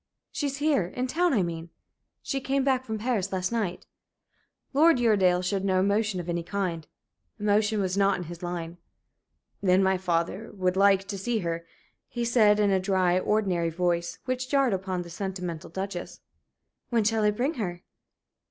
"She's here in town, I mean. She came back from Paris last night." Lord Uredale showed no emotion of any kind. Emotion was not in his line. "Then my father would like to see her," he said, in a dry, ordinary voice, which jarred upon the sentimental Duchess. "When shall I bring her?"